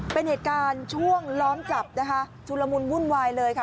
เป็นเหตุการณ์ช่วงล้อมจับนะคะชุลมุนวุ่นวายเลยค่ะ